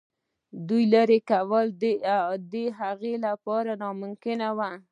دوی لیري کول د هغه لپاره ناممکن وه.